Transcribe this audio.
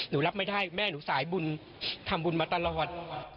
รับไม่ได้แม่หนูสายบุญทำบุญมาตลอด